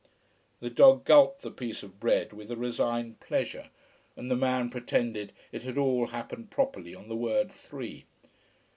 _" The dog gulped the piece of bread with a resigned pleasure, and the man pretended it had all happened properly on the word "three."